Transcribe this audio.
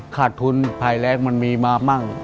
ขาดทุนภายแรงมันมีมามั่ง